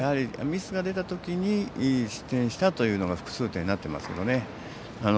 ミスが出たときに失点したというのが複数点になってますけどね。